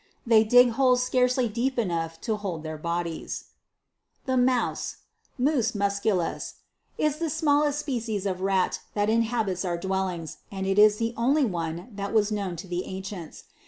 They dig holes scarcely deep enough to hold their bodies.* 36. The Mouse, Mux Hlusculu$, \s the smallest species of rat that inhabits our dwellings, and it is the only one that was known to the ancients.